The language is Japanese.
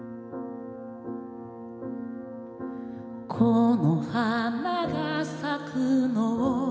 「この花が咲くのを」